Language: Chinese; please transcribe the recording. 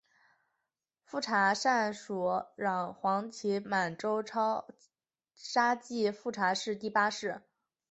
富察善属镶黄旗满洲沙济富察氏第八世。